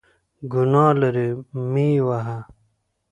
ګناه لري ، مه یې وهه !